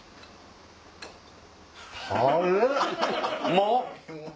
もう？